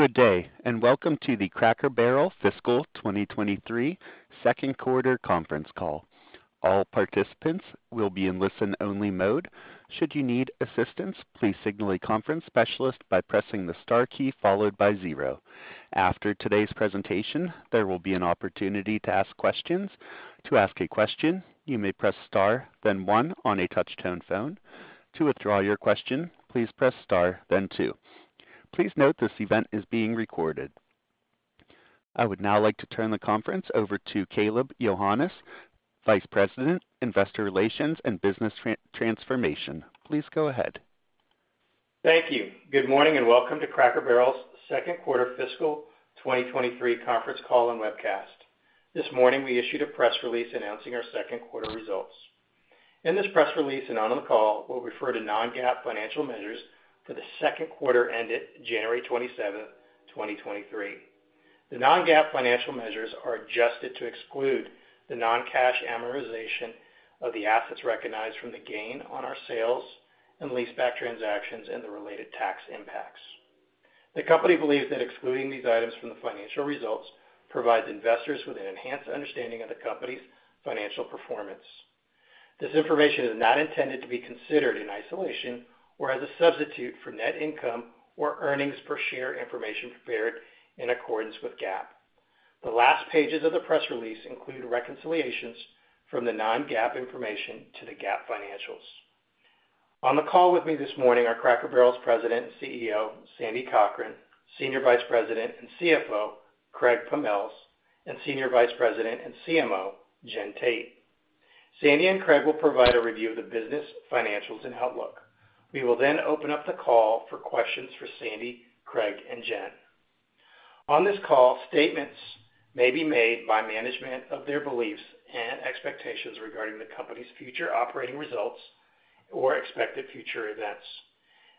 Good day, welcome to the Cracker Barrel Fiscal 2023 Second Quarter Conference Call. All participants will be in listen-only mode. Should you need assistance, please signal a conference specialist by pressing the star key followed by zero. After today's presentation, there will be an opportunity to ask questions. To ask a question, you may press star then one on a touch-tone phone. To withdraw your question, please press star then two. Please note this event is being recorded. I would now like to turn the conference over to Kaleb Johannes, Vice President, Investor Relations, and Business Transformation. Please go ahead. Thank you. Good morning and welcome to Cracker Barrel's Second Quarter Fiscal 2023 Conference Call and Webcast. This morning, we issued a press release announcing our second quarter results. In this press release and on the call, we'll refer to non-GAAP financial measures for the second quarter ended January 27th, 2023. The non-GAAP financial measures are adjusted to exclude the non-cash amortization of the assets recognized from the gain on our sale and leaseback transactions and the related tax impacts. The company believes that excluding these items from the financial results provides investors with an enhanced understanding of the company's financial performance. This information is not intended to be considered in isolation or as a substitute for net income or earnings per share information prepared in accordance with GAAP. The last pages of the press release include reconciliations from the non-GAAP information to the GAAP financials. On the call with me this morning are Cracker Barrel's President and CEO, Sandy Cochran, Senior Vice President and CFO, Craig Pommells, and Senior Vice President and CMO, Jennifer Tate. Sandy and Craig will provide a review of the business, financials, and outlook. We will then open up the call for questions for Sandy, Craig, and Jen. On this call, statements may be made by management of their beliefs and expectations regarding the company's future operating results or expected future events.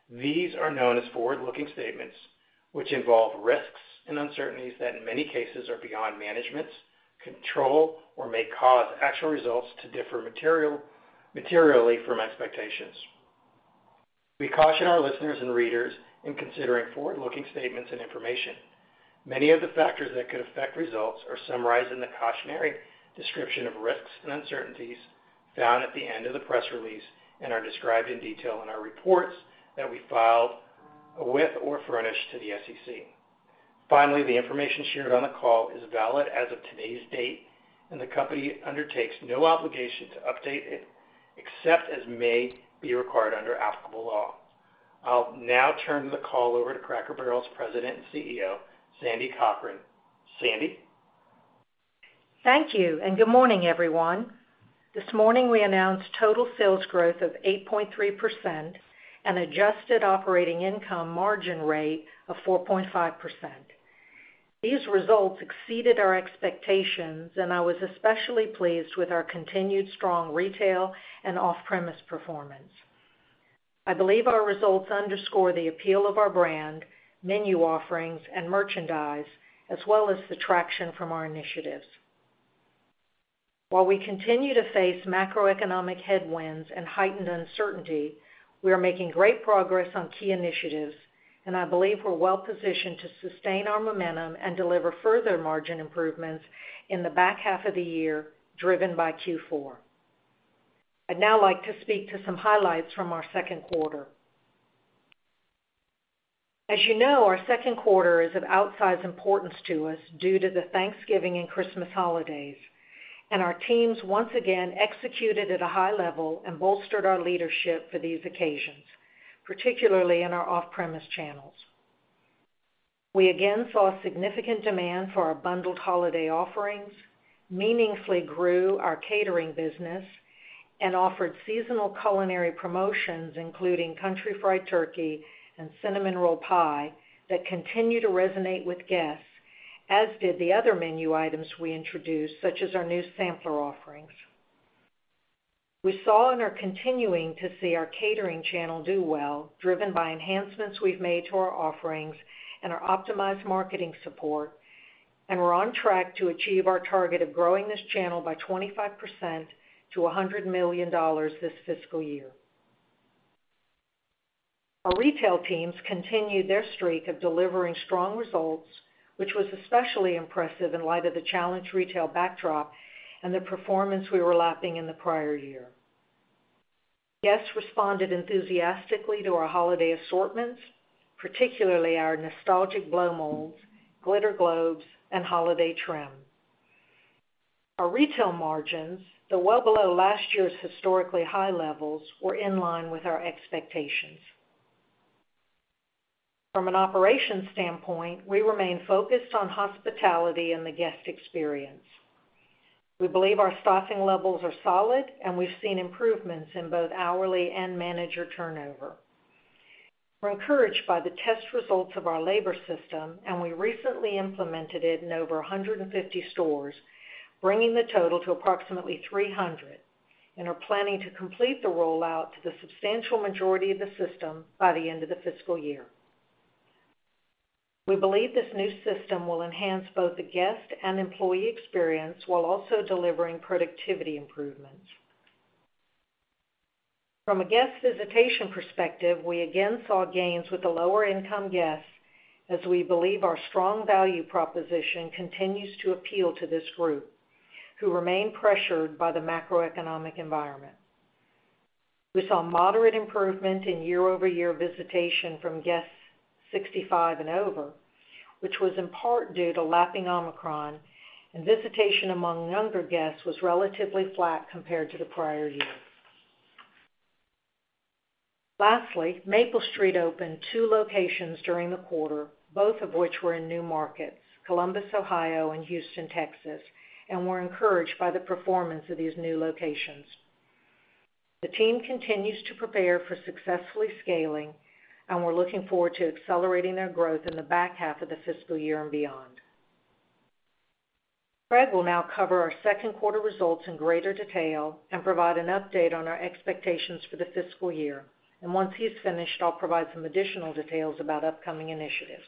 These are known as forward-looking statements, which involve risks and uncertainties that in many cases are beyond management's control or may cause actual results to differ materially from expectations. We caution our listeners and readers in considering forward-looking statements and information. Many of the factors that could affect results are summarized in the cautionary description of risks and uncertainties found at the end of the press release and are described in detail in our reports that we filed with or furnished to the SEC. Finally, the information shared on the call is valid as of today's date, and the company undertakes no obligation to update it except as may be required under applicable law. I'll now turn the call over to Cracker Barrel's President and CEO, Sandy Cochran. Sandy? Thank you. Good morning, everyone. This morning, we announced total sales growth of 8.3% and adjusted operating income margin rate of 4.5%. These results exceeded our expectations, and I was especially pleased with our continued strong retail and off-premise performance. I believe our results underscore the appeal of our brand, menu offerings, and merchandise, as well as the traction from our initiatives. While we continue to face macroeconomic headwinds and heightened uncertainty, we are making great progress on key initiatives, and I believe we're well-positioned to sustain our momentum and deliver further margin improvements in the back half of the year, driven by Q4. I'd now like to speak to some highlights from our second quarter. As you know, our second quarter is of outsized importance to us due to the Thanksgiving and Christmas holidays, and our teams once again executed at a high level and bolstered our leadership for these occasions, particularly in our off-premise channels. We again saw significant demand for our bundled holiday offerings, meaningfully grew our catering business, and offered seasonal culinary promotions, including Country Fried Turkey and Cinnamon Roll Pie, that continue to resonate with guests, as did the other menu items we introduced, such as our new sampler offerings. We saw and are continuing to see our catering channel do well, driven by enhancements we've made to our offerings and our optimized marketing support, and we're on track to achieve our target of growing this channel by 25% to $100 million this fiscal year. Our retail teams continued their streak of delivering strong results, which was especially impressive in light of the challenged retail backdrop and the performance we were lapping in the prior year. Guests responded enthusiastically to our holiday assortments, particularly our nostalgic blow molds, glitter globes, and holiday trim. Our retail margins, though well below last year's historically high levels, were in line with our expectations. From an operations standpoint, we remain focused on hospitality and the guest experience. We believe our staffing levels are solid, and we've seen improvements in both hourly and manager turnover. We're encouraged by the test results of our labor system, and we recently implemented it in over 150 stores, bringing the total to approximately 300, and are planning to complete the rollout to the substantial majority of the system by the end of the fiscal year. We believe this new system will enhance both the guest and employee experience while also delivering productivity improvements. From a guest visitation perspective, we again saw gains with the lower-income guests, as we believe our strong value proposition continues to appeal to this group, who remain pressured by the macroeconomic environment. We saw moderate improvement in year-over-year visitation from guests 65 and over, which was in part due to lapping Omicron, and visitation among younger guests was relatively flat compared to the prior year. Maple Street opened two locations during the quarter, both of which were in new markets, Columbus, Ohio, and Houston, Texas, and we're encouraged by the performance of these new locations. The team continues to prepare for successfully scaling, and we're looking forward to accelerating their growth in the back half of the fiscal year and beyond. Fred will now cover our second quarter results in greater detail and provide an update on our expectations for the fiscal year. Once he's finished, I'll provide some additional details about upcoming initiatives.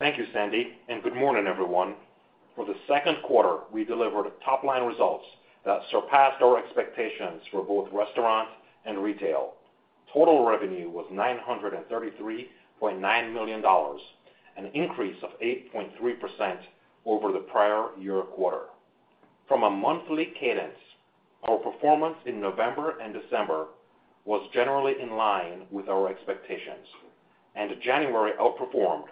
Thank you, Sandy. Good morning, everyone. For the second quarter, we delivered top-line results that surpassed our expectations for both restaurant and retail. Total revenue was $933.9 million, an increase of 8.3% over the prior year quarter. From a monthly cadence, our performance in November and December was generally in line with our expectations, and January outperformed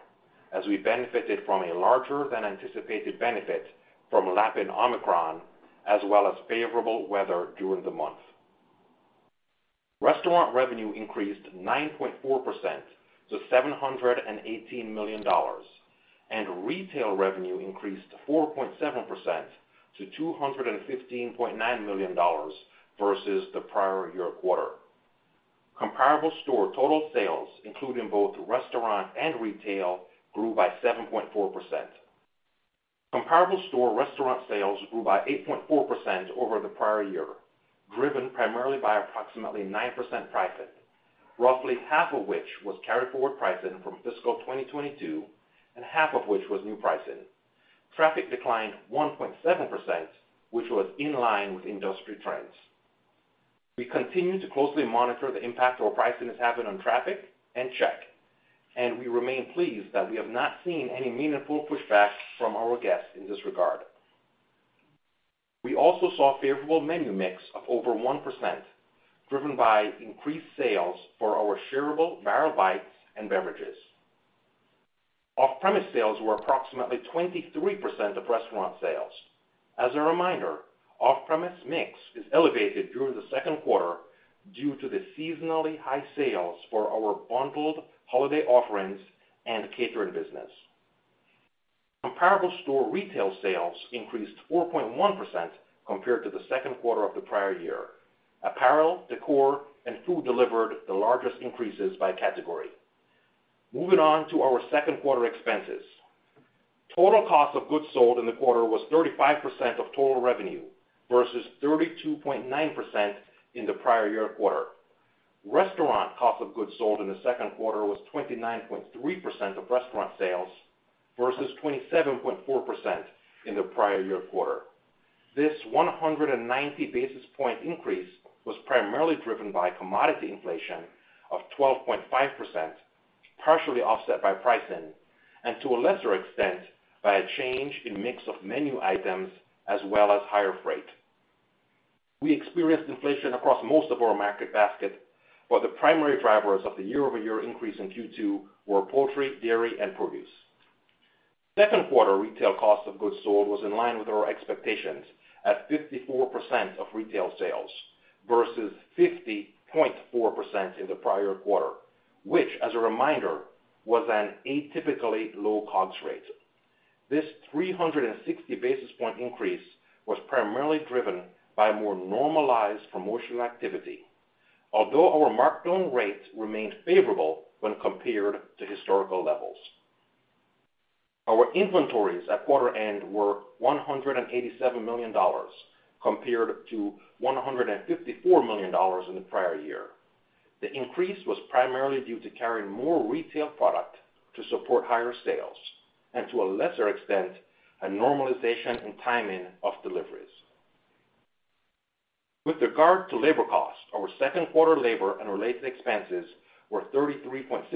as we benefited from a larger than anticipated benefit from lapping Omicron, as well as favorable weather during the month. Restaurant revenue increased 9.4% to $718 million, and retail revenue increased 4.7% to $215.9 million versus the prior year quarter. Comparable store total sales, including both restaurant and retail, grew by 7.4%. Comparable store restaurant sales grew by 8.4% over the prior year, driven primarily by approximately 9% pricing, roughly half of which was carryforward pricing from fiscal 2022 and half of which was new pricing. Traffic declined 1.7%, which was in line with industry trends. We continue to closely monitor the impact our pricing has had on traffic and check. We remain pleased that we have not seen any meaningful pushback from our guests in this regard. We also saw favorable menu mix of over 1%, driven by increased sales for our shareable Barrel Bites and beverages. Off-premise sales were approximately 23% of restaurant sales. As a reminder, off-premise mix is elevated during the second quarter due to the seasonally high sales for our bundled holiday offerings and catering business. Comparable store retail sales increased 4.1% compared to the second quarter of the prior year. Apparel, decor, and food delivered the largest increases by category. Moving on to our second quarter expenses. Total cost of goods sold in the quarter was 35% of total revenue versus 32.9% in the prior year quarter. Restaurant cost of goods sold in the second quarter was 29.3% of restaurant sales versus 27.4% in the prior year quarter. This 190 basis point increase was primarily driven by commodity inflation of 12.5%, partially offset by pricing, and to a lesser extent, by a change in mix of menu items as well as higher freight. We experienced inflation across most of our market basket, while the primary drivers of the year-over-year increase in Q2 were poultry, dairy, and produce. Second quarter retail cost of goods sold was in line with our expectations at 54% of retail sales versus 50.4% in the prior quarter, which, as a reminder, was an atypically low COGS rate. This 360 basis point increase was primarily driven by more normalized promotional activity. Our markdown rates remained favorable when compared to historical levels. Our inventories at quarter end were $187 million compared to $154 million in the prior year. The increase was primarily due to carrying more retail product to support higher sales and to a lesser extent, a normalization in timing of deliveries. With regard to labor costs, our second quarter labor and related expenses were 33.6%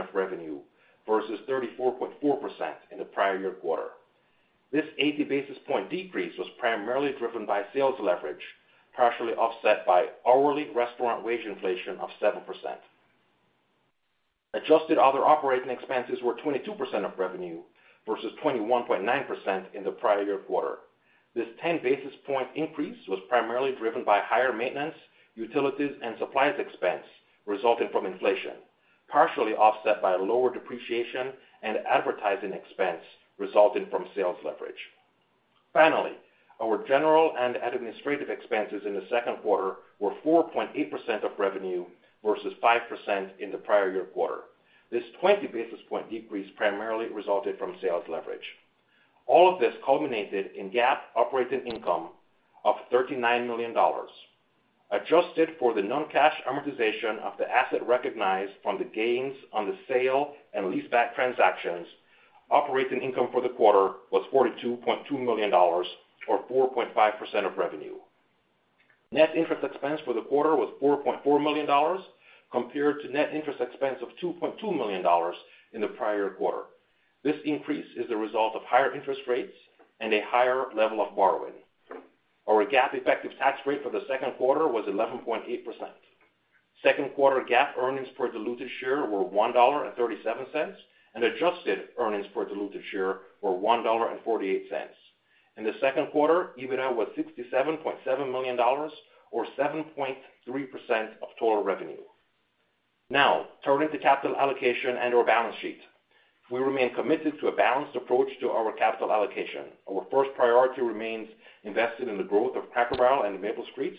of revenue versus 34.4% in the prior year quarter. This 80 basis point decrease was primarily driven by sales leverage, partially offset by hourly restaurant wage inflation of 7%. Adjusted other operating expenses were 22% of revenue versus 21.9% in the prior year quarter. This 10 basis point increase was primarily driven by higher maintenance, utilities, and supplies expense resulting from inflation, partially offset by lower depreciation and advertising expense resulting from sales leverage. Finally, our general and administrative expenses in the second quarter were 4.8% of revenue versus 5% in the prior year quarter. This 20 basis point decrease primarily resulted from sales leverage. All of this culminated in GAAP operating income of $39 million. Adjusted for the non-cash amortization of the asset recognized from the gains on the sale and leaseback transactions, operating income for the quarter was $42.2 million or 4.5% of revenue. Net interest expense for the quarter was $4.4 million compared to net interest expense of $2.2 million in the prior quarter. This increase is the result of higher interest rates and a higher level of borrowing. Our GAAP effective tax rate for the second quarter was 11.8%. Second quarter GAAP earnings per diluted share were $1.37, and adjusted earnings per diluted share were $1.48. In the second quarter, EBITDA was $67.7 million or 7.3% of total revenue. Now turning to capital allocation and our balance sheet. We remain committed to a balanced approach to our capital allocation. Our first priority remains invested in the growth of Cracker Barrel and Maple Street.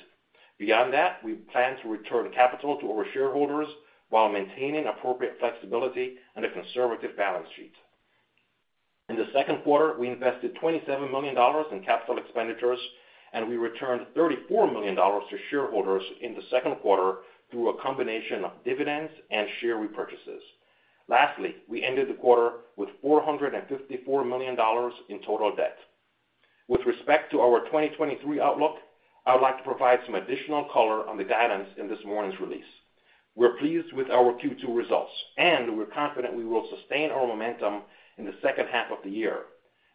We plan to return capital to our shareholders while maintaining appropriate flexibility and a conservative balance sheet. In the second quarter, we invested $27 million in capital expenditures, and we returned $34 million to shareholders in the second quarter through a combination of dividends and share repurchases. We ended the quarter with $454 million in total debt. With respect to our 2023 outlook, I would like to provide some additional color on the guidance in this morning's release. We're pleased with our Q2 results, and we're confident we will sustain our momentum in the second half of the year.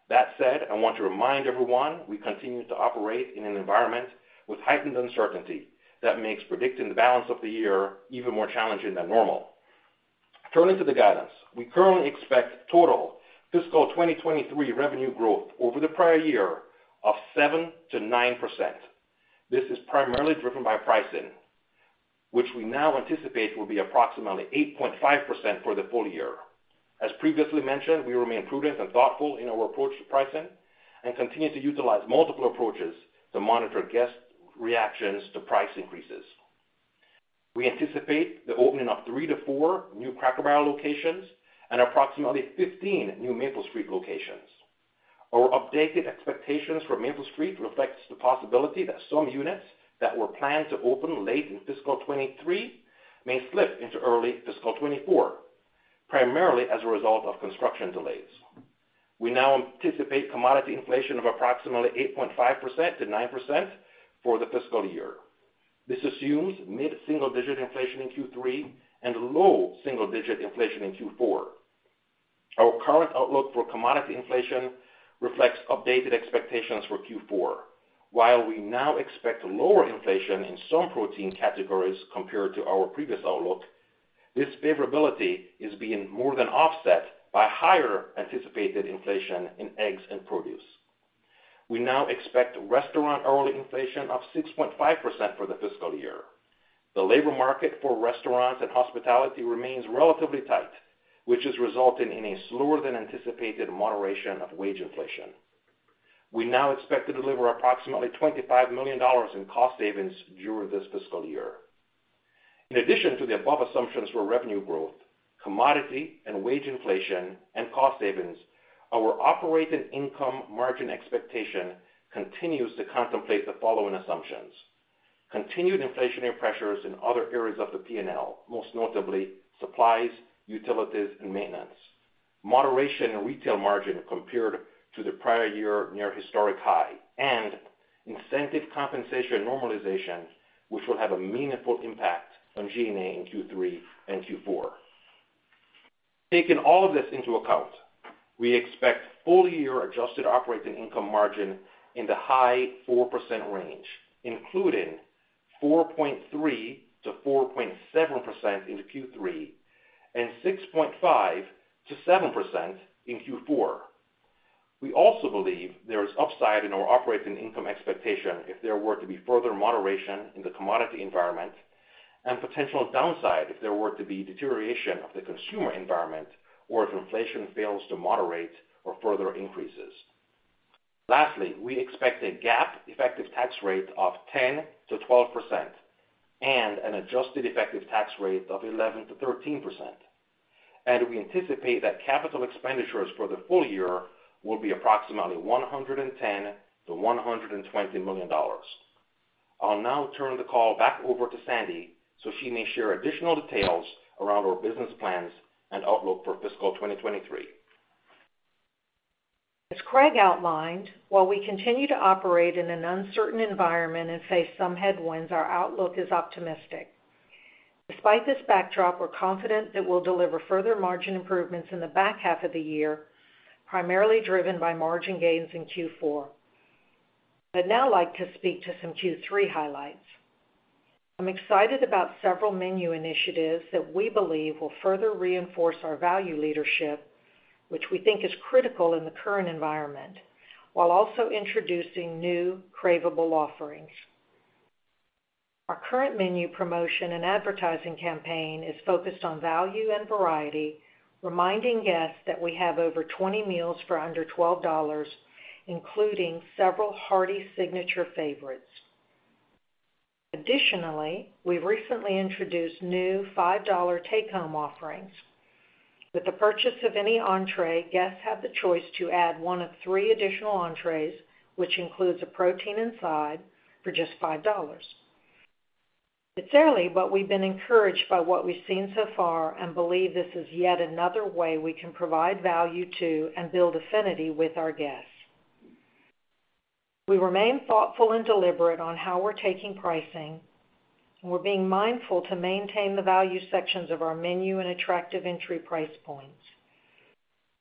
I want to remind everyone we continue to operate in an environment with heightened uncertainty that makes predicting the balance of the year even more challenging than normal. Turning to the guidance. We currently expect total fiscal 2023 revenue growth over the prior year of 7%-9%. This is primarily driven by pricing, which we now anticipate will be approximately 8.5% for the full year. As previously mentioned, we remain prudent and thoughtful in our approach to pricing and continue to utilize multiple approaches to monitor guest reactions to price increases. We anticipate the opening of three-four new Cracker Barrel locations and approximately 15 new Maple Street locations. Our updated expectations for Maple Street reflects the possibility that some units that were planned to open late in fiscal 2023 may slip into early fiscal 2024, primarily as a result of construction delays. We now anticipate commodity inflation of approximately 8.5%-9% for the fiscal year. This assumes mid-single-digit inflation in Q3 and low single digit inflation in Q4. Our current outlook for commodity inflation reflects updated expectations for Q4. While we now expect lower inflation in some protein categories compared to our previous outlook, this favorability is being more than offset by higher anticipated inflation in eggs and produce. We now expect restaurant hourly inflation of 6.5% for the fiscal year. The labor market for restaurants and hospitality remains relatively tight, which is resulting in a slower than anticipated moderation of wage inflation. We now expect to deliver approximately $25 million in cost savings during this fiscal year. In addition to the above assumptions for revenue growth, commodity and wage inflation and cost savings, our operating income margin expectation continues to contemplate the following assumptions. Continued inflationary pressures in other areas of the P&L, most notably supplies, utilities, and maintenance, moderation in retail margin compared to the prior year near historic high, and incentive compensation normalization, which will have a meaningful impact on G&A in Q3 and Q4. Taking all of this into account, we expect full year adjusted operating income margin in the high 4% range, including 4.3%-4.7% in Q3 and 6.5%-7% in Q4. We also believe there is upside in our operating income expectation if there were to be further moderation in the commodity environment and potential downside if there were to be deterioration of the consumer environment or if inflation fails to moderate or further increases. Lastly, we expect a GAAP effective tax rate of 10%-12% and an adjusted effective tax rate of 11%-13%. We anticipate that capital expenditures for the full year will be approximately $110 million-$120 million. I'll now turn the call back over to Sandy so she may share additional details around our business plans and outlook for fiscal 2023. As Craig outlined, while we continue to operate in an uncertain environment and face some headwinds, our outlook is optimistic. Despite this backdrop, we're confident that we'll deliver further margin improvements in the back half of the year, primarily driven by margin gains in Q4. I'd now like to speak to some Q3 highlights. I'm excited about several menu initiatives that we believe will further reinforce our value leadership, which we think is critical in the current environment, while also introducing new craveable offerings. Our current menu promotion and advertising campaign is focused on value and variety, reminding guests that we have over 20 meals for under $12, including several hearty signature favorites. Additionally, we recently introduced new $5 take-home offerings. With the purchase of any entree, guests have the choice to add one of three additional entrees, which includes a protein and side for just $5. We've been encouraged by what we've seen so far and believe this is yet another way we can provide value to and build affinity with our guests. We remain thoughtful and deliberate on how we're taking pricing. We're being mindful to maintain the value sections of our menu and attractive entry price points.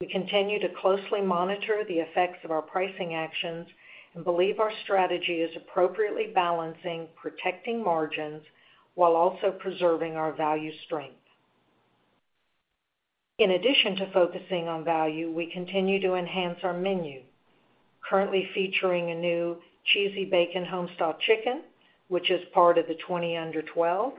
We continue to closely monitor the effects of our pricing actions and believe our strategy is appropriately balancing protecting margins while also preserving our value strength. In addition to focusing on value, we continue to enhance our menu, currently featuring a new Cheesy Bacon Homestyle Chicken, which is part of the 20 under $12.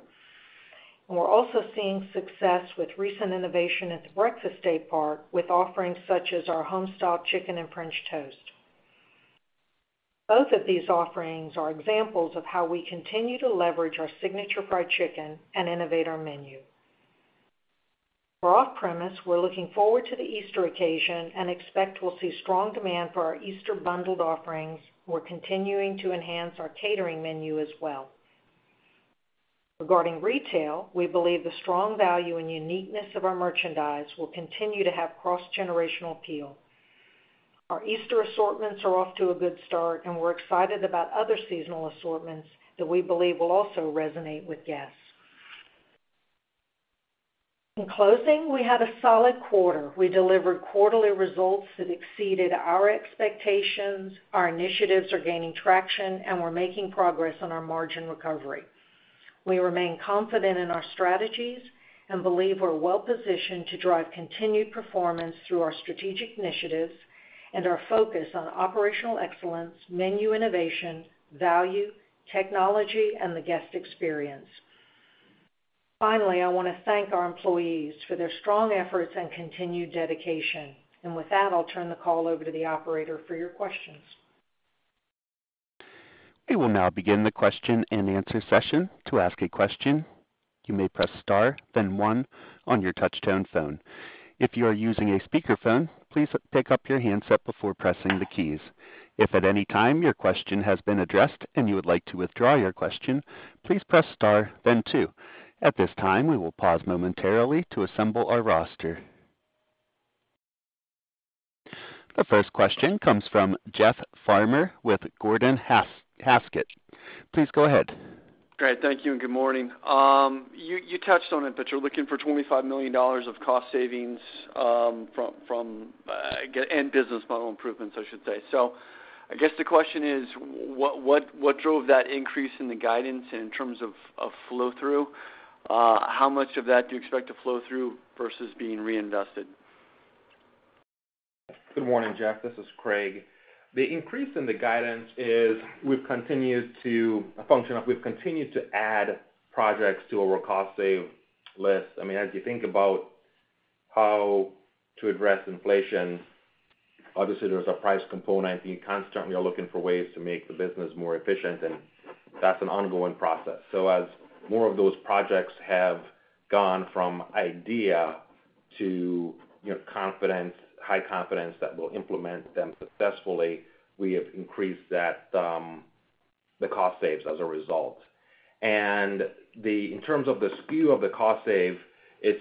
We're also seeing success with recent innovation at the breakfast daypart with offerings such as our Homestyle Chicken and French Toast. Both of these offerings are examples of how we continue to leverage our signature fried chicken and innovate our menu. For off-premise, we're looking forward to the Easter occasion and expect we'll see strong demand for our Easter bundled offerings. We're continuing to enhance our catering menu as well. Regarding retail, we believe the strong value and uniqueness of our merchandise will continue to have cross-generational appeal. Our Easter assortments are off to a good start, and we're excited about other seasonal assortments that we believe will also resonate with guests. In closing, we had a solid quarter. We delivered quarterly results that exceeded our expectations. Our initiatives are gaining traction, and we're making progress on our margin recovery. We remain confident in our strategies and believe we're well positioned to drive continued performance through our strategic initiatives and our focus on operational excellence, menu innovation, value, technology, and the guest experience. Finally, I want to thank our employees for their strong efforts and continued dedication. With that, I'll turn the call over to the operator for your questions. We will now begin the question and answer session. To ask a question, you may press star then one on your touch-tone phone. If you are using a speakerphone, please pick up your handset before pressing the keys. If at any time your question has been addressed and you would like to withdraw your question, please press star then two. At this time, we will pause momentarily to assemble our roster. The first question comes from Jeff Farmer with Gordon Haskett. Please go ahead. Great. Thank you and good morning. You touched on it, but you're looking for $25 million of cost savings from and business model improvements, I should say. I guess the question is what drove that increase in the guidance in terms of flow-through? How much of that do you expect to flow through versus being reinvested? Good morning, Jeff. This is Craig. The increase in the guidance is a function of we've continued to add projects to our cost save list. I mean, as you think about how to address inflation, obviously there's a price component, and you constantly are looking for ways to make the business more efficient, and that's an ongoing process. So as more of those projects have gone from idea to confidence, high confidence that we'll implement them successfully, we have increased that, the cost saves as a result. In terms of the skew of the cost save, it's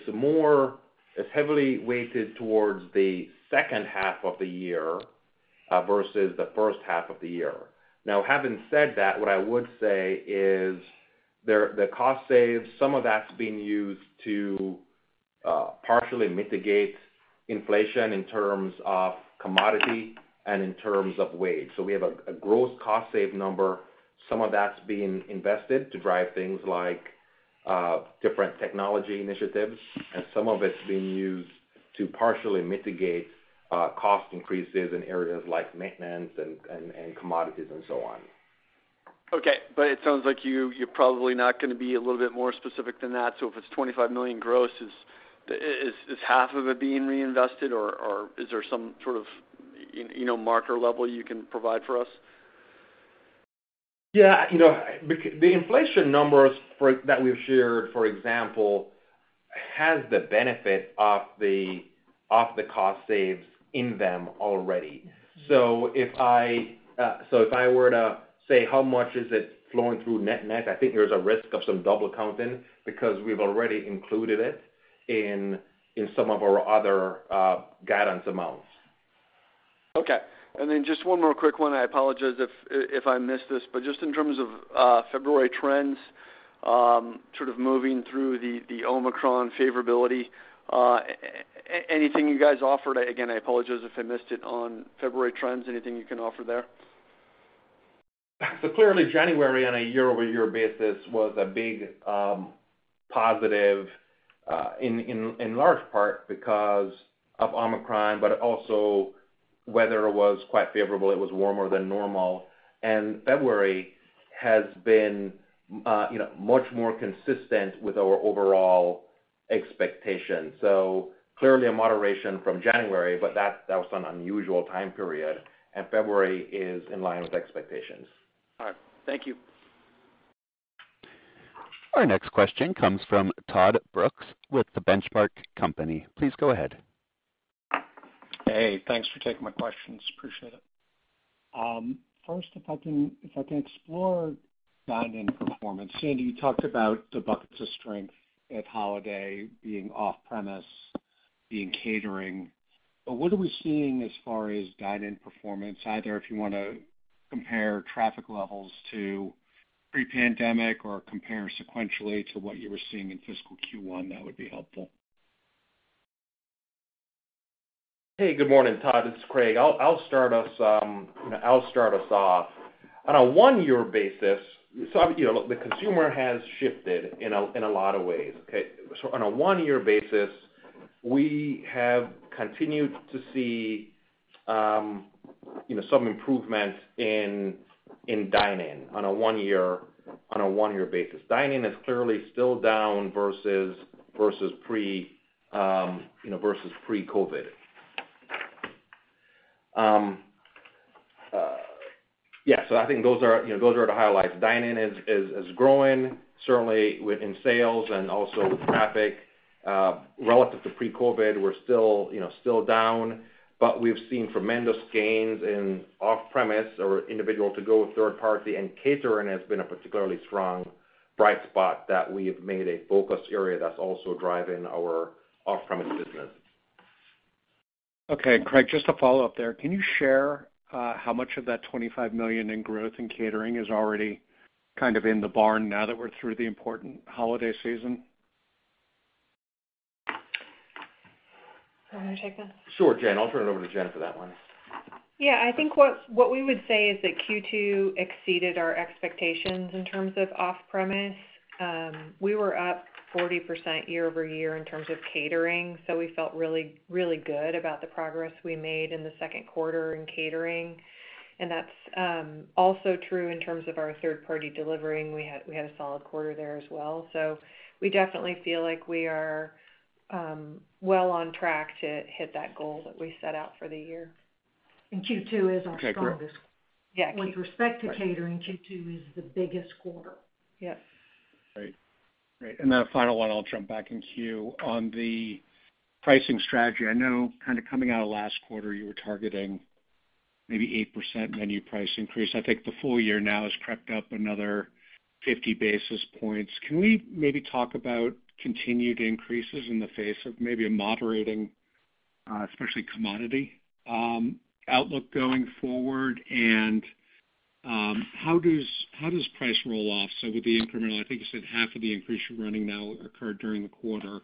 heavily weighted towards the second half of the year versus the first half of the year. Having said that, what I would say is the cost saves, some of that's being used to partially mitigate inflation in terms of commodity and in terms of wage. We have a gross cost save number. Some of that's being invested to drive things like different technology initiatives, and some of it's being used to partially mitigate cost increases in areas like maintenance and commodities and so on. It sounds like you're probably not going to be a little bit more specific than that. If it's $25 million gross, is half of it being reinvested or is there some sort of, you know, marker level you can provide for us? Yeah. You know, the inflation numbers that we've shared, for example, has the benefit of the, of the cost saves in them already. If I were to say how much is it flowing through net net, I think there's a risk of some double counting because we've already included it in some of our other guidance amounts. Okay. Just one more quick one. I apologize if I missed this, just in terms of February trends, sort of moving through the Omicron favorability, anything you guys offered? Again, I apologize if I missed it on February trends. Anything you can offer there? Clearly, January on a year-over-year basis was a big positive in large part because of Omicron, but also weather was quite favorable. It was warmer than normal. February has been, you know, much more consistent with our overall expectations. Clearly a moderation from January, but that was an unusual time period, and February is in line with expectations. All right. Thank you. Our next question comes from Todd Brooks with The Benchmark Company. Please go ahead. Hey, thanks for taking my questions. Appreciate it. First, if I can explore dine-in performance. Sandy, you talked about the buckets of strength at holiday being off-premise, being catering, but what are we seeing as far as dine-in performance, either if you wanna compare traffic levels to pre-pandemic or compare sequentially to what you were seeing in fiscal Q1, that would be helpful. Hey, good morning, Todd. It's Craig. I'll start us, you know, I'll start us off. On a one-year basis. You know, the consumer has shifted in a lot of ways, okay? On a one-year basis, we have continued to see, you know, some improvement in dine-in on a one-year basis. Dine-in is clearly still down versus pre, you know, versus pre-COVID. Yeah. I think those are, you know, those are the highlights. Dine-in is growing certainly with in sales and also with traffic. Relative to pre-COVID, we're still, you know, still down, but we've seen tremendous gains in off-premise or individual to-go, third party, and catering has been a particularly strong bright spot that we've made a focus area that's also driving our off-premise business. Okay. Craig, just to follow up there. Can you share how much of that $25 million in growth in catering is already kind of in the barn now that we're through the important holiday season? You want me to take that? Sure, Jen. I'll turn it over to Jen for that one. Yeah. I think what we would say is that Q2 exceeded our expectations in terms of off-premise. We were up 40% year-over-year in terms of catering, so we felt really, really good about the progress we made in the second quarter in catering. That's also true in terms of our third-party delivering. We had a solid quarter there as well. We definitely feel like we are well on track to hit that goal that we set out for the year. Q2 is our strongest. Okay, great. Yeah. With respect to catering, Q2 is the biggest quarter. Yes. Great. Great. Then a final one, I'll jump back in queue. On the pricing strategy, I know kinda coming out of last quarter, you were targeting maybe 8% menu price increase. I think the full year now has crept up another 50 basis points. Can we maybe talk about continued increases in the face of maybe a moderating, especially commodity, outlook going forward? How does price roll off? With the incremental, I think you said half of the increase you're running now occurred during the quarter.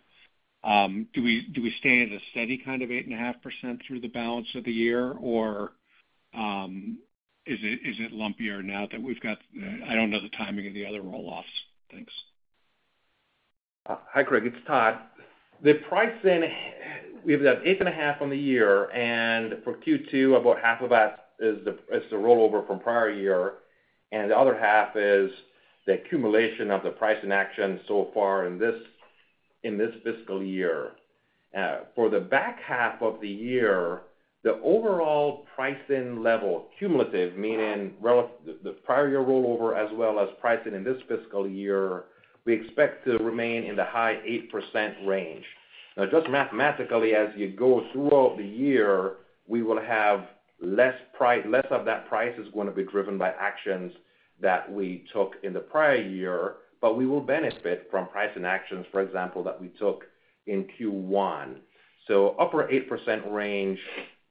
Do we stay at a steady kind of 8.5% through the balance of the year? Is it lumpier now that we've got... I don't know the timing of the other roll-offs. Thanks. Hi, Craig. It's Todd. The pricing, we have that 8.5 on the year. For Q2, about half of that is the rollover from prior year, and the other half is the accumulation of the pricing action so far in this fiscal year. For the back half of the year, the overall pricing level cumulative, meaning the prior year rollover as well as pricing in this fiscal year, we expect to remain in the high 8% range. Just mathematically, as you go throughout the year, we will have less of that price is gonna be driven by actions that we took in the prior year, but we will benefit from pricing actions, for example, that we took in Q1. Upper 8% range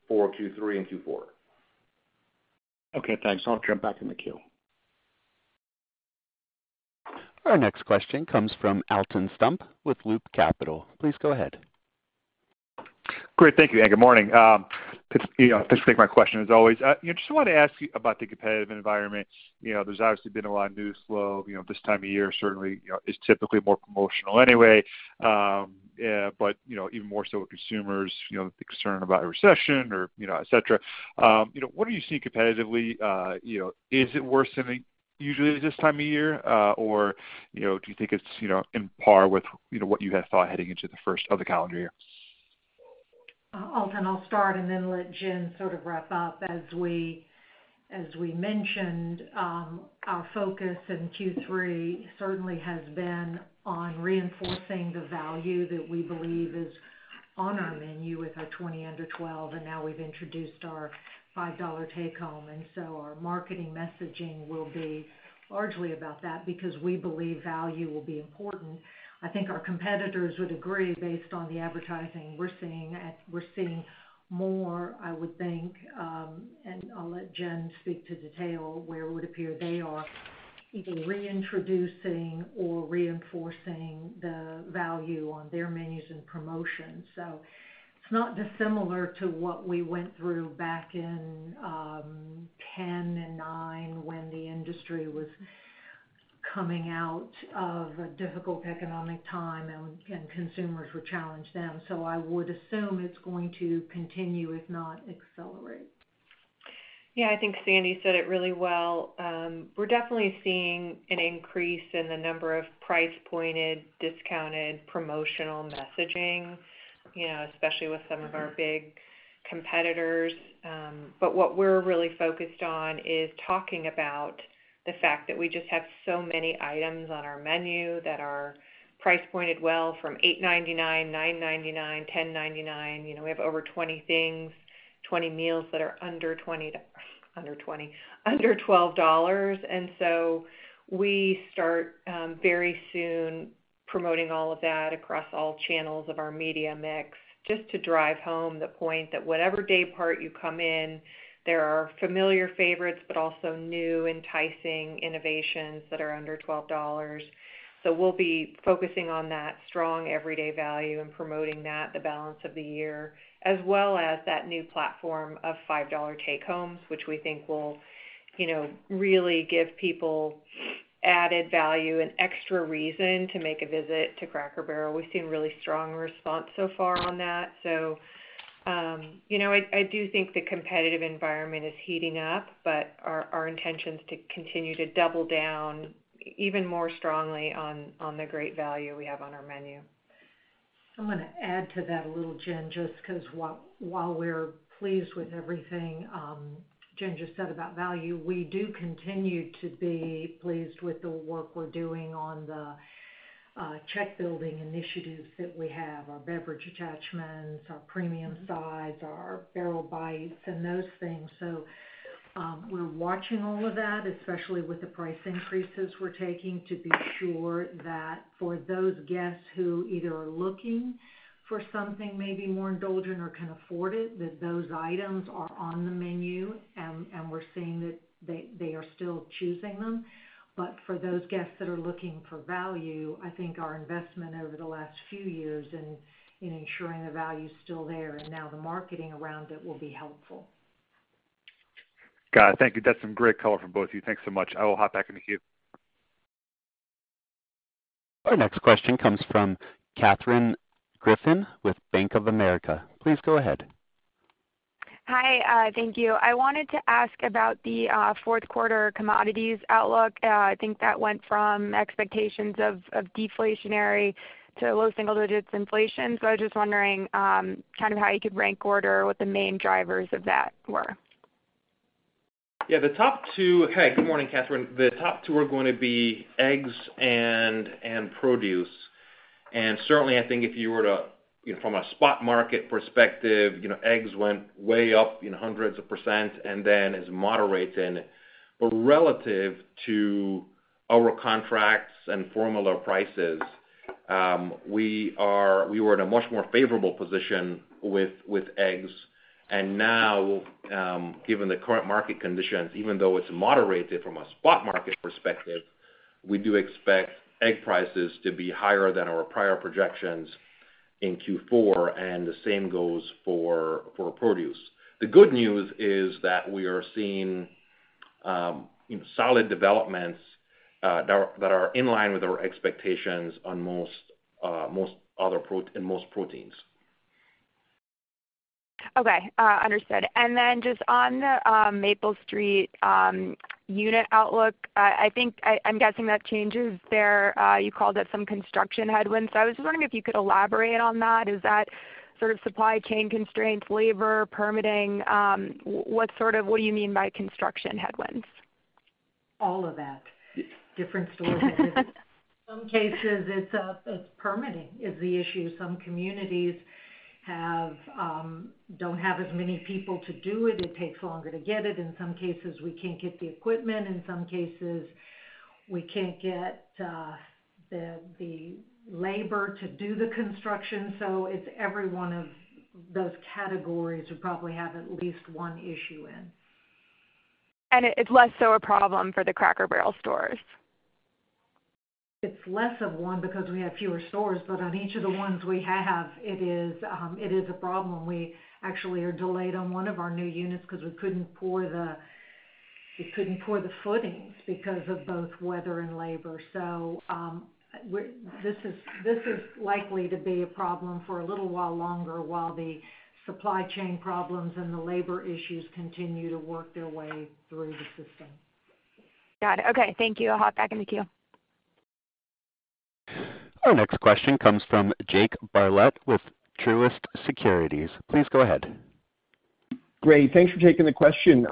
for Q3 and Q4. Okay, thanks. I'll jump back in the queue. Our next question comes from Alton Stump with Loop Capital. Please go ahead. Great. Thank you. Good morning. You know, thanks for taking my question as always. You know, just wanted to ask you about the competitive environment. You know, there's obviously been a lot of news flow. You know, this time of year certainly, you know, is typically more promotional anyway. You know, even more so with consumers, you know, the concern about a recession or, you know, et cetera. You know, what are you seeing competitively? You know, is it worse than it usually is this time of year? You know, do you think it's, you know, on par with, you know, what you had thought heading into the first of the calendar year? Alton, I'll start and then let Jen sort of wrap up. As we mentioned, our focus in Q3 certainly has been on reinforcing the value that we believe is on our menu with our 20 under $12, and now we've introduced our $5 Take Home. Our marketing messaging will be largely about that because we believe value will be important. I think our competitors would agree based on the advertising we're seeing. We're seeing more, I would think, and I'll let Jen speak to detail, where it would appear they are either reintroducing or reinforcing the value on their menus and promotions. It's not dissimilar to what we went through back in 2010 and 2009 when the industry was coming out of a difficult economic time and consumers were challenged then. I would assume it's going to continue, if not accelerate. Yeah. I think Sandy said it really well. We're definitely seeing an increase in the number of price pointed, discounted, promotional messaging, you know, especially with some of our big competitors. What we're really focused on is talking about the fact that we just have so many items on our menu that are price pointed well from $8.99, $9.99, $10.99. You know, we have over 20 things, 20 meals that are under $12. We start, very soon- Promoting all of that across all channels of our media mix, just to drive home the point that whatever day part you come in, there are familiar favorites, but also new enticing innovations that are under $12. We'll be focusing on that strong everyday value and promoting that the balance of the year as well as that new platform of $5 Take Home, which we think will, you know, really give people added value and extra reason to make a visit to Cracker Barrel. We've seen really strong response so far on that. You know, I do think the competitive environment is heating up, but our intention is to continue to double down even more strongly on the great value we have on our menu. I'm gonna add to that a little, Jen, just 'cause while we're pleased with everything, Jen just said about value, we do continue to be pleased with the work we're doing on the check building initiatives that we have, our beverage attachments, our premium sides, our Barrel Bites and those things. We're watching all of that, especially with the price increases we're taking to be sure that for those guests who either are looking for something maybe more indulgent or can afford it, that those items are on the menu and we're seeing that they are still choosing them. For those guests that are looking for value, I think our investment over the last few years in ensuring the value is still there and now the marketing around it will be helpful. Got it. Thank you. That's some great color from both of you. Thanks so much. I will hop back in the queue. Our next question comes from Katherine Griffin with Bank of America. Please go ahead. Hi. Thank you. I wanted to ask about the, fourth quarter commodities outlook. I think that went from expectations of deflationary to low single digits inflation. I was just wondering, kind of how you could rank order what the main drivers of that were. Yeah. Hey, good morning, Katherine. The top two are going to be eggs and produce. Certainly I think if you were to, from a spot market perspective, you know, eggs went way up hundreds of % and then it's moderating. Relative to our contracts and formula prices, we were in a much more favorable position with eggs. Now, given the current market conditions, even though it's moderated from a spot market perspective, we do expect egg prices to be higher than our prior projections in Q4, and the same goes for produce. The good news is that we are seeing solid developments that are in line with our expectations on most in most proteins. Okay. Understood. Then just on the Maple Street unit outlook, I'm guessing that changes there. You called it some construction headwinds. I was just wondering if you could elaborate on that. Is that sort of supply chain constraints, labor, permitting? What do you mean by construction headwinds? All of that. Different stores have different. Some cases it's permitting is the issue. Some communities have, don't have as many people to do it. It takes longer to get it. In some cases, we can't get the equipment. In some cases, we can't get the labor to do the construction. It's every one of those categories, we probably have at least one issue in. It's less so a problem for the Cracker Barrel stores. It's less of one because we have fewer stores. On each of the ones we have, it is a problem. We actually are delayed on one of our new units because we couldn't pour the footings because of both weather and labor. This is likely to be a problem for a little while longer while the supply chain problems and the labor issues continue to work their way through the system. Got it. Okay. Thank you. I'll hop back in the queue. Our next question comes from Jake Bartlett with Truist Securities. Please go ahead. Great. Thanks for taking the question.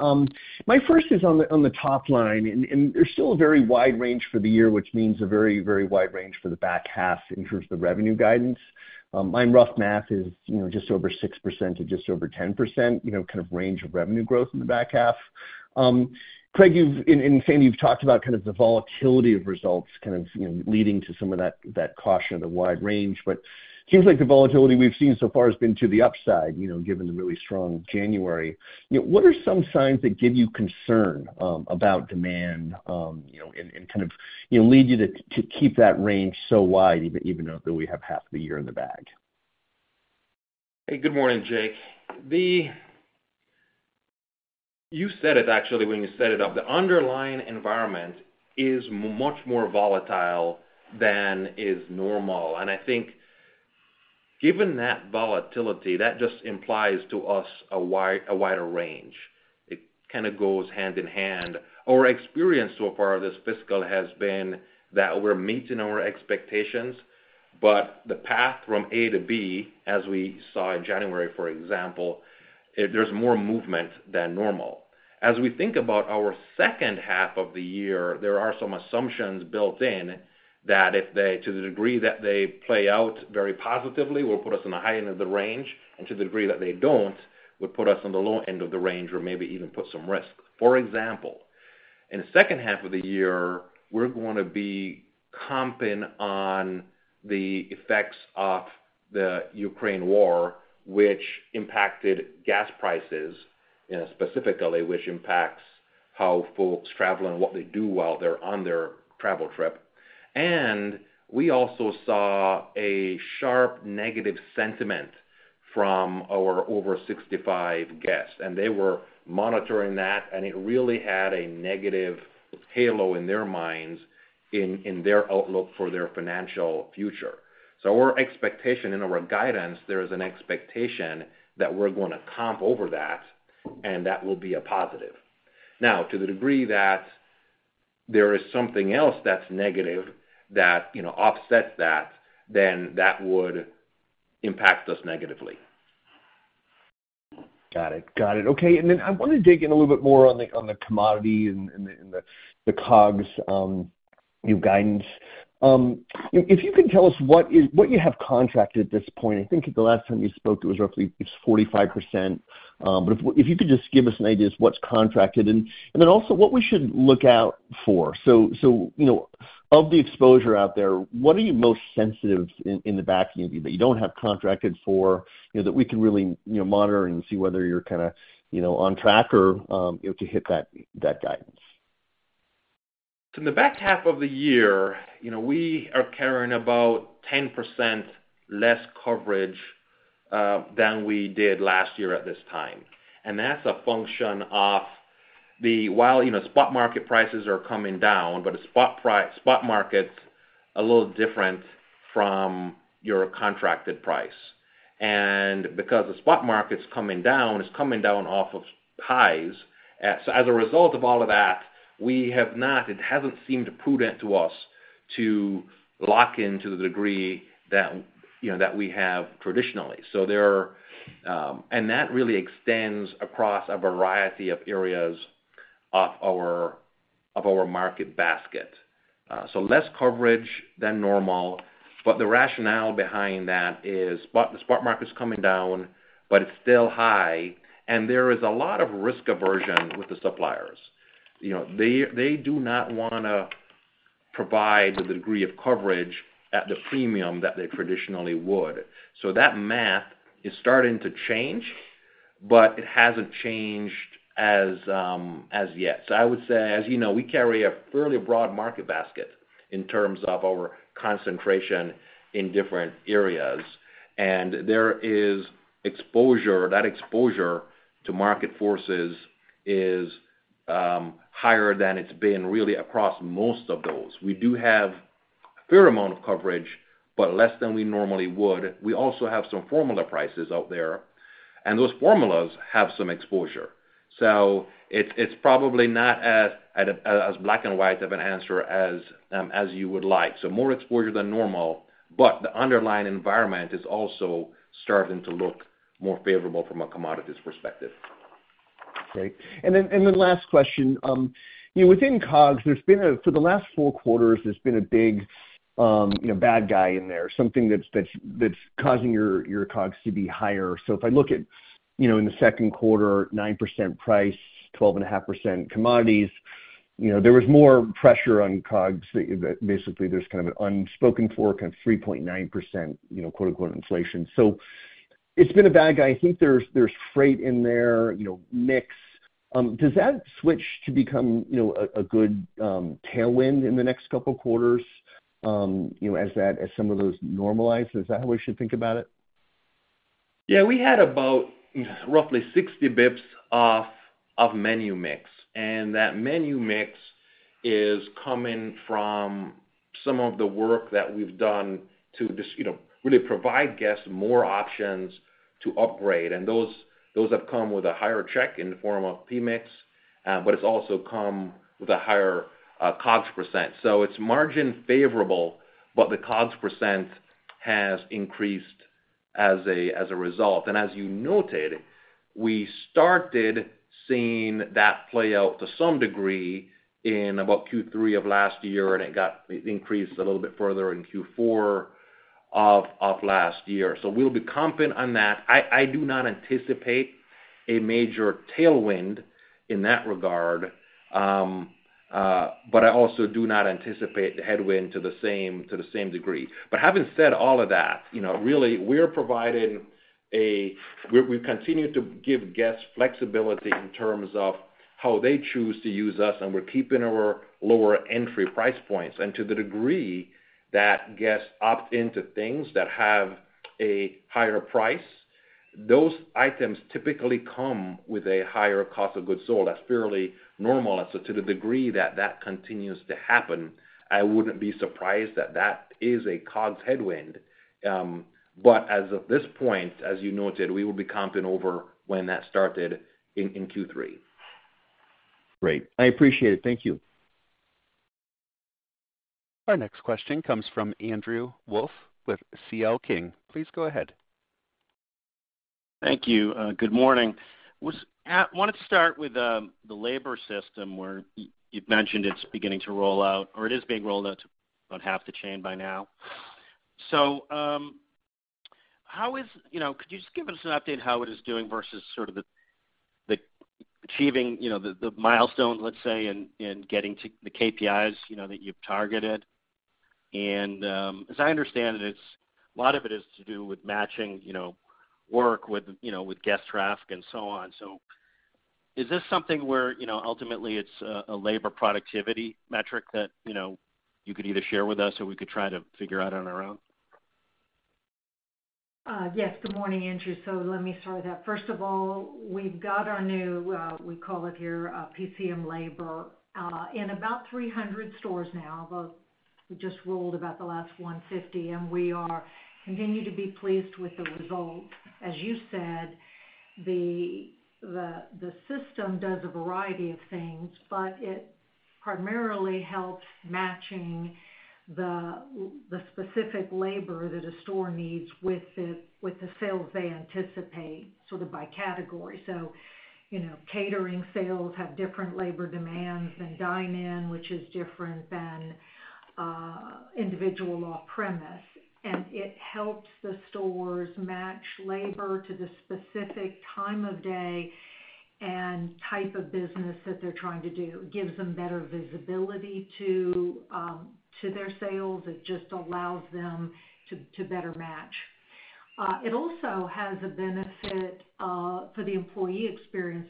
My first is on the, on the top line, and there's still a very wide range for the year, which means a very, very wide range for the back half in terms of the revenue guidance. My rough math is, you know, just over 6% to just over 10%, you know, kind of range of revenue growth in the back half. Craig, and Sandy, you've talked about kind of the volatility of results kind of, you know, leading to some of that caution of the wide range. It seems like the volatility we've seen so far has been to the upside, you know, given the really strong January. You know, what are some signs that give you concern, about demand, you know, and kind of, you know, lead you to keep that range so wide even though we have half the year in the bag? Hey, good morning, Jake. You said it actually when you set it up. The underlying environment is much more volatile than is normal. I think given that volatility, that just implies to us a wider range. It kind of goes hand in hand. Our experience so far this fiscal has been that we're meeting our expectations, but the path from A to B, as we saw in January, for example, there's more movement than normal. As we think about our second half of the year, there are some assumptions built in that if they, to the degree that they play out very positively, will put us on the high end of the range, and to the degree that they don't, would put us on the low end of the range or maybe even put some risk. For example, in the second half of the year, we're going to be comping on the effects of the Ukraine war, which impacted gas prices, you know, specifically, which impacts how folks travel and what they do while they're on their travel trip. We also saw a sharp negative sentiment from our over 65 guests, and they were monitoring that, and it really had a negative halo in their minds in their outlook for their financial future. Our expectation in our guidance, there is an expectation that we're gonna comp over that, and that will be a positive. Now, to the degree that there is something else that's negative that, you know, offsets that, then that would impact us negatively. Got it. Got it. Okay. Then I wanna dig in a little bit more on the commodity and the COGS new guidance. If you can tell us what you have contracted at this point. I think the last time you spoke, it's 45%. If you could just give us an idea as to what's contracted and then also what we should look out for. You know, of the exposure out there, what are you most sensitive in the back maybe that you don't have contracted for, you know, that we can really, you know, monitor and see whether you're kinda, you know, on track or to hit that guidance. In the back half of the year, you know, we are carrying about 10% less coverage than we did last year at this time. That's a function of while, you know, spot market prices are coming down, but the spot market's a little different from your contracted price. Because the spot market's coming down, it's coming down off of highs. As a result of all of that, it hasn't seemed prudent to us to lock in to the degree that, you know, that we have traditionally. There are. That really extends across a variety of areas of our market basket. Less coverage than normal, but the rationale behind that is the spot market's coming down, but it's still high, and there is a lot of risk aversion with the suppliers. You know, they do not wanna provide the degree of coverage at the premium that they traditionally would. That math is starting to change, but it hasn't changed as yet. I would say, as you know, we carry a fairly broad market basket in terms of our concentration in different areas. There is exposure. That exposure to market forces is higher than it's been really across most of those. We do have a fair amount of coverage, but less than we normally would. We also have some formula prices out there, and those formulas have some exposure. It's probably not as black and white of an answer as you would like. More exposure than normal, but the underlying environment is also starting to look more favorable from a commodities perspective. Okay. Then, last question. You know, within COGS, there's been for the last four quarters a big, you know, bad guy in there, something that's causing your COGS to be higher. If I look at, you know, in the second quarter, 9% price, 12.5% commodities, you know, there was more pressure on COGS. Basically, there's kind of an unspoken for kind of 3.9%, you know, quote-unquote, inflation. It's been a bad guy. I think there's freight in there, you know, mix. Does that switch to become, you know, a good tailwind in the next couple quarters, you know, as some of those normalize? Is that how we should think about it? We had about roughly 60 basis points off of menu mix. That menu mix is coming from some of the work that we've done to just, you know, really provide guests more options to upgrade. Those have come with a higher check in the form of PMIX, but it's also come with a higher COGS%. It's margin favorable, but the COGS% has increased as a result. As you notated, we started seeing that play out to some degree in about Q3 of last year, and it got increased a little bit further in Q4 of last year. We'll be comping on that. I do not anticipate a major tailwind in that regard, but I also do not anticipate the headwind to the same degree. Having said all of that, you know, really we're providing, we've continued to give guests flexibility in terms of how they choose to use us, and we're keeping our lower entry price points. To the degree that guests opt into things that have a higher price, those items typically come with a higher cost of goods sold. That's fairly normal. To the degree that that continues to happen, I wouldn't be surprised that that is a COGS headwind. As of this point, as you noted, we will be comping over when that started in Q3. Great. I appreciate it. Thank you. Our next question comes from Andrew Wolf with C.L. King. Please go ahead. Thank you. Good morning. Wanted to start with the labor system where you've mentioned it's beginning to roll out or it is being rolled out to about half the chain by now. How is You know, could you just give us an update how it is doing versus sort of the achieving, you know, the milestone, let's say, in getting to the KPIs, you know, that you've targeted? As I understand it, a lot of it is to do with matching, you know, work with, you know, with guest traffic and so on. Is this something where, you know, ultimately it's a labor productivity metric that, you know, you could either share with us or we could try to figure out on our own? Yes. Good morning, Andrew. Let me start with that. First of all, we've got our new, we call it here, PCM labor, in about 300 stores now, but we just rolled about the last 150, and we are continuing to be pleased with the results. As you said, the system does a variety of things, but it primarily helps matching the specific labor that a store needs with the sales they anticipate, sort of by category. You know, catering sales have different labor demands than dine-in, which is different than, individual off-premise. And it helps the stores match labor to the specific time of day and type of business that they're trying to do. Gives them better visibility to their sales. It just allows them to better match. It also has a benefit for the employee experience.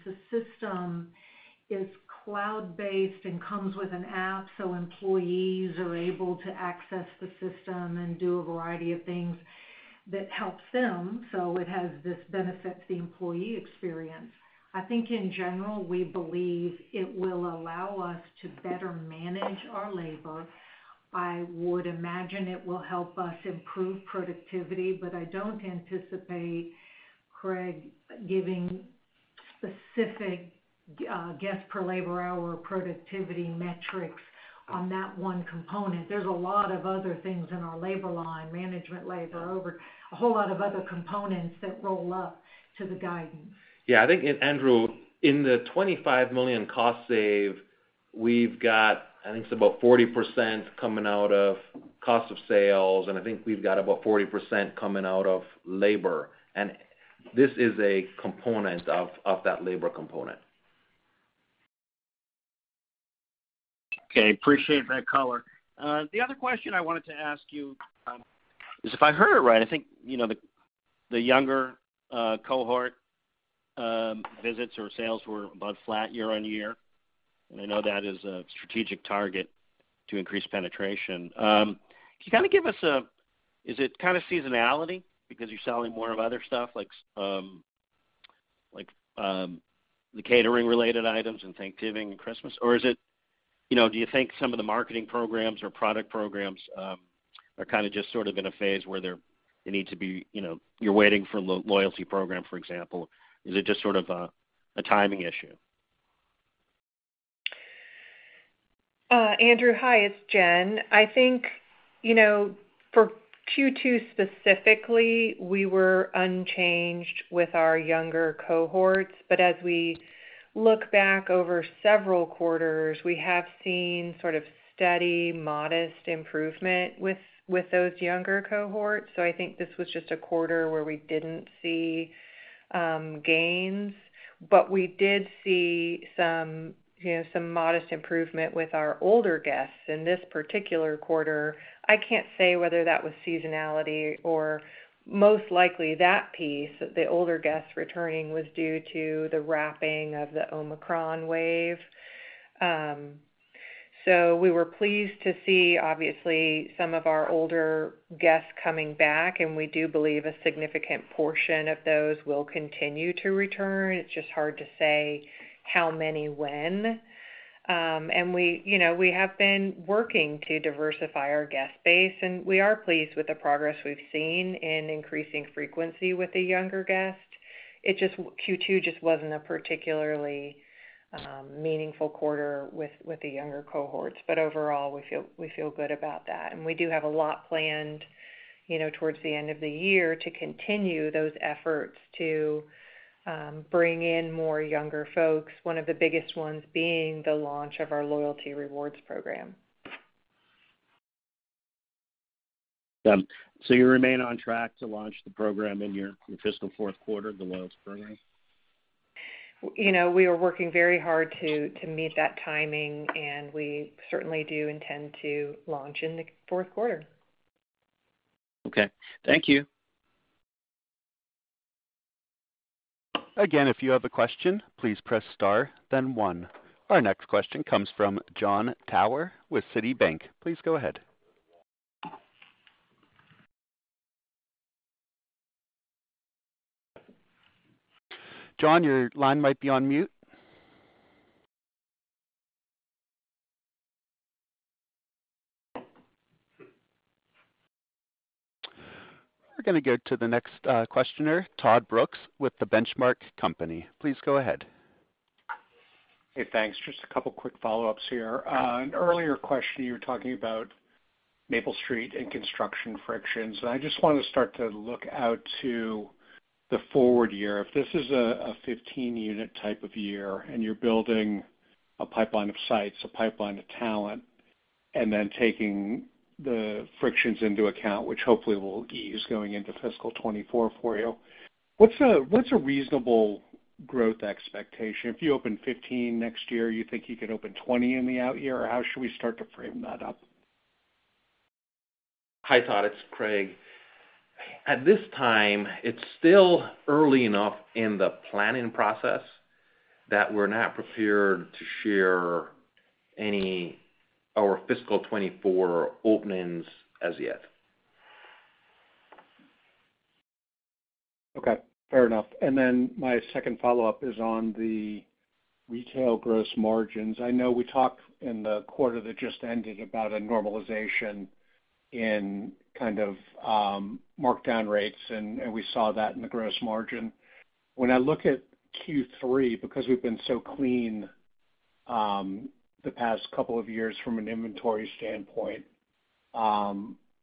Employees are able to access the system and do a variety of things that helps them. It has this benefit to the employee experience. I think in general, we believe it will allow us to better manage our labor. I would imagine it will help us improve productivity, but I don't anticipate Craig giving specific guest per labor hour productivity metrics on that one component. There's a lot of other things in our labor line, management labor, over a whole lot of other components that roll up to the guidance. Yeah. I think, Andrew, in the $25 million cost save, we've got, I think it's about 40% coming out of cost of sales, and I think we've got about 40% coming out of labor. This is a component of that labor component. Okay. Appreciate that color. The other question I wanted to ask you, is if I heard it right, I think, you know, the younger cohort visits or sales were about flat year-over-year. I know that is a strategic target to increase penetration. Can you kinda give us? Is it kinda seasonality because you're selling more of other stuff like the catering related items in Thanksgiving and Christmas? Or is it? You know, do you think some of the marketing programs or product programs are kinda just sort of in a phase where they need to be, you know, you're waiting for loyalty program, for example? Is it just sort of a timing issue? Andrew. Hi, it's Jen. I think, you know, for Q2 specifically, we were unchanged with our younger cohorts. As we look back over several quarters, we have seen sort of steady, modest improvement with those younger cohorts. I think this was just a quarter where we didn't see gains. We did see some, you know, some modest improvement with our older guests in this particular quarter. I can't say whether that was seasonality or most likely that piece, the older guests returning, was due to the wrapping of the Omicron wave. We were pleased to see obviously some of our older guests coming back, and we do believe a significant portion of those will continue to return. It's just hard to say how many when. We, you know, we have been working to diversify our guest base, and we are pleased with the progress we've seen in increasing frequency with the younger guests. Q2 just wasn't a particularly meaningful quarter with the younger cohorts. Overall, we feel good about that. We do have a lot planned, you know, towards the end of the year to continue those efforts to bring in more younger folks, one of the biggest ones being the launch of our loyalty rewards program. You remain on track to launch the program in your fiscal fourth quarter, the loyalty program? You know, we are working very hard to meet that timing, and we certainly do intend to launch in the fourth quarter. Okay. Thank you. If you have a question, please press star then one. Our next question comes from Jon Tower with Citibank. Please go ahead. Jon, your line might be on mute. We're gonna go to the next questioner, Todd Brooks with The Benchmark Company. Please go ahead. Hey, thanks. Just a couple quick follow-ups here. An earlier question, you were talking about Maple Street and construction frictions. I just wanted to start to look out to the forward year. If this is a 15-unit type of year, and you're building a pipeline of sites, a pipeline of talent, and then taking the frictions into account, which hopefully will ease going into fiscal 2024 for you, what's a reasonable growth expectation? If you open 15 next year, you think you could open 20 in the out year? How should we start to frame that up? Hi, Todd. It's Craig. At this time, it's still early enough in the planning process that we're not prepared to share our fiscal 2024 openings as yet. Okay, fair enough. My second follow-up is on the retail gross margins. I know we talked in the quarter that just ended about a normalization in kind of markdown rates, and we saw that in the gross margin. When I look at Q3, because we've been so clean, the past couple of years from an inventory standpoint,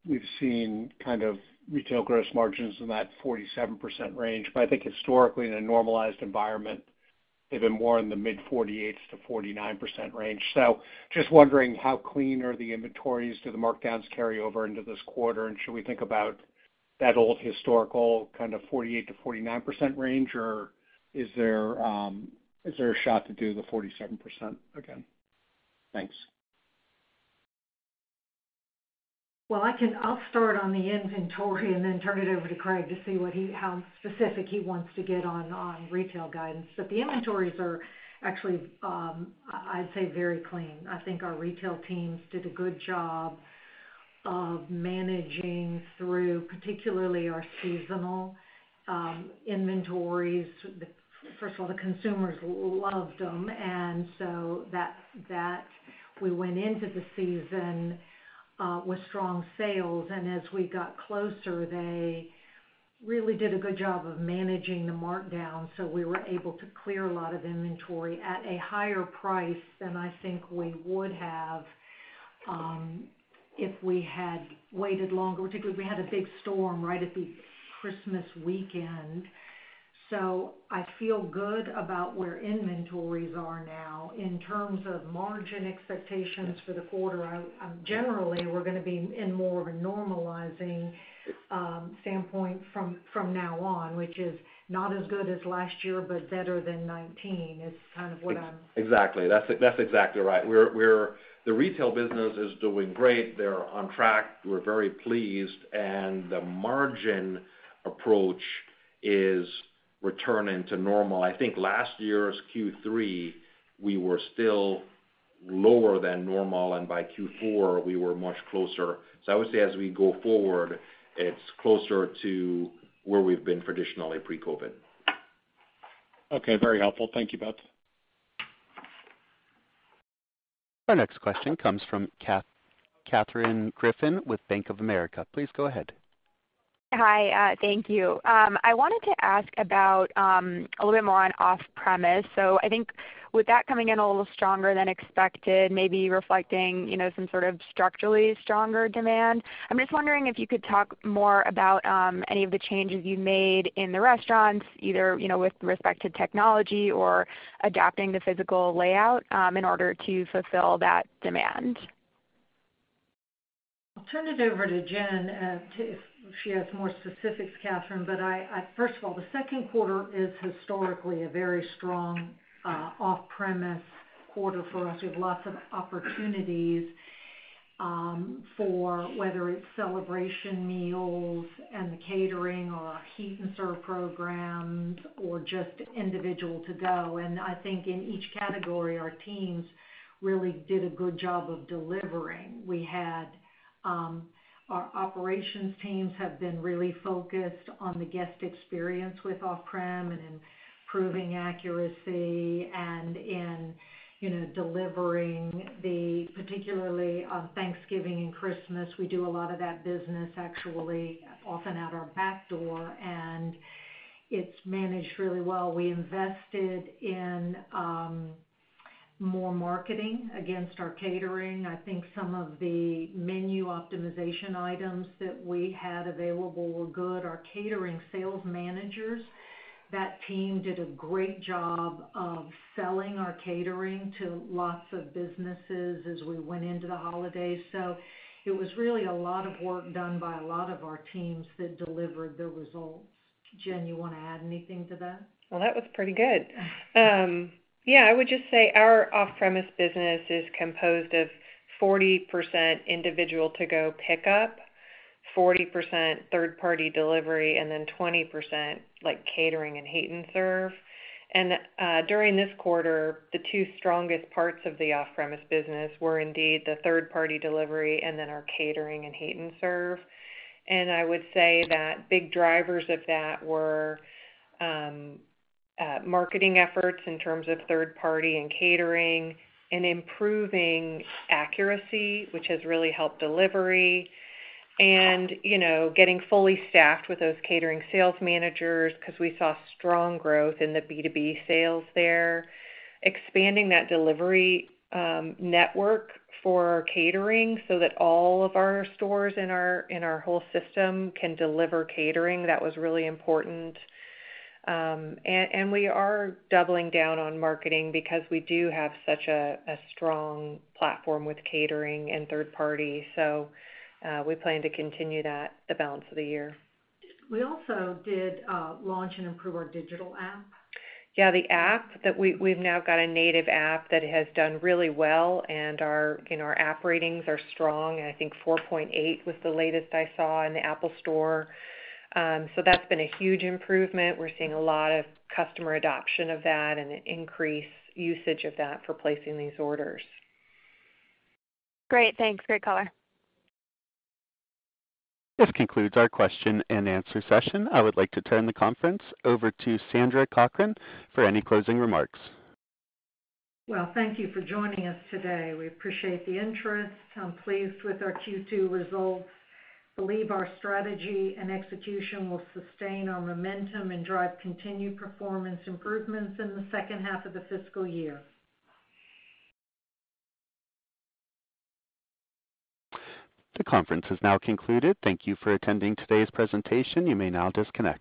we've seen kind of retail gross margins in that 47% range. Historically, in a normalized environment, they've been more in the mid 48%-49% range. Just wondering, how clean are the inventories? Do the markdowns carry over into this quarter? Should we think about that old historical kind of 48%-49% range, or is there a shot to do the 47% again? Thanks. Well, I'll start on the inventory and then turn it over to Craig to see what he how specific he wants to get on retail guidance. The inventories are actually, I'd say very clean. I think our retail teams did a good job of managing through particularly our seasonal inventories. The, first of all, the consumers loved them, and so that we went into the season with strong sales. As we got closer, they really did a good job of managing the markdown, so we were able to clear a lot of inventory at a higher price than I think we would have if we had waited longer. Particularly, we had a big storm right at the Christmas weekend. I feel good about where inventories are now. In terms of margin expectations for the quarter, I generally we're gonna be in more of a normalizing standpoint from now on, which is not as good as last year, but better than 2019, is kind of what I'm. Exactly. That's exactly right. We're The retail business is doing great. They're on track. We're very pleased. The margin approach is returning to normal. I think last year's Q3, we were still lower than normal, and by Q4 we were much closer. I would say as we go forward, it's closer to where we've been traditionally pre-COVID. Okay, very helpful. Thank you both. Our next question comes from Katherine Griffin with Bank of America. Please go ahead. Hi, thank you. I wanted to ask about a little bit more on off-premise. I think with that coming in a little stronger than expected, maybe reflecting, you know, some sort of structurally stronger demand, I'm just wondering if you could talk more about any of the changes you made in the restaurants, either, you know, with respect to technology or adapting the physical layout, in order to fulfill that demand? I'll turn it over to Jen to if she has more specifics, Katherine. First of all, the second quarter is historically a very strong off-premise quarter for us. We have lots of opportunities for whether it's celebration meals and the catering or our heat and serve programs or just individual to-go. I think in each category, our teams really did a good job of delivering. We had our operations teams have been really focused on the guest experience with off-prem and in improving accuracy and in, you know, delivering the particularly on Thanksgiving and Christmas, we do a lot of that business actually often at our back door, and it's managed really well. We invested in more marketing against our catering. I think some of the menu optimization items that we had available were good. Our catering sales managers, that team did a great job of selling our catering to lots of businesses as we went into the holidays. It was really a lot of work done by a lot of our teams that delivered the results. Jen, you wanna add anything to that? Well, that was pretty good. Yeah, I would just say our off-premise business is composed of 40% individual to-go pickup, 40% third-party delivery, and then 20% like catering and heat and serve. During this quarter, the two strongest parts of the off-premise business were indeed the third-party delivery and then our catering and heat and serve. I would say that big drivers of that were marketing efforts in terms of third party and catering and improving accuracy, which has really helped delivery. You know, getting fully staffed with those catering sales managers, 'cause we saw strong growth in the B2B sales there. Expanding that delivery network for catering so that all of our stores in our, in our whole system can deliver catering, that was really important. We are doubling down on marketing because we do have such a strong platform with catering and third party. We plan to continue that the balance of the year. We also did, launch and improve our digital app. Yeah, the app that we've now got a native app that has done really well, and our, and our app ratings are strong, and I think 4.8 was the latest I saw in the Apple Store. That's been a huge improvement. We're seeing a lot of customer adoption of that and an increased usage of that for placing these orders. Great. Thanks. Great color. This concludes our question and answer session. I would like to turn the conference over to Sandra Cochran for any closing remarks. Well, thank you for joining us today. We appreciate the interest. I'm pleased with our Q2 results, believe our strategy and execution will sustain our momentum and drive continued performance improvements in the second half of the fiscal year. The conference has now concluded. Thank you for attending today's presentation. You may now disconnect.